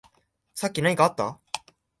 さっき何かあった？